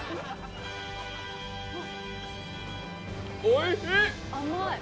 おいしい。